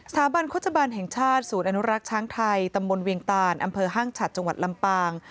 บันโฆษบาลแห่งชาติศูนย์อนุรักษ์ช้างไทยตำบลเวียงตานอำเภอห้างฉัดจังหวัดลำปาง